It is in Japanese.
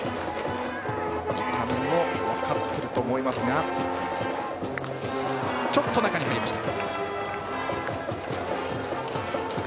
伊丹も分かっていると思いますがちょっと中に入りました。